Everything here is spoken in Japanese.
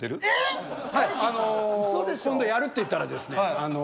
はいあの「今度やる」って言ったらですねあの。